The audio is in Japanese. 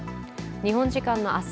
日本時間の明日